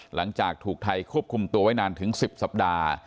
หลังจากถูกไทยควบคุมตัวไว้นานถึง๑๐สัปดาห์